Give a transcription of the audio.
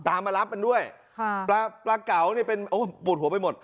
มารับมันด้วยค่ะปลาปลาเก๋าเนี่ยเป็นโอ้ปวดหัวไปหมด